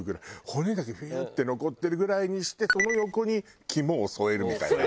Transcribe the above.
骨だけヒュッて残ってるぐらいにしてその横に肝を添えるみたいな。